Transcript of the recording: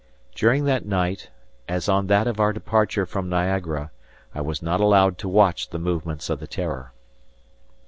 During that night, as on that of our departure from Niagara, I was not allowed to watch the movements of the "Terror."